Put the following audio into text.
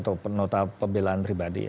atau nota pembelaan pribadi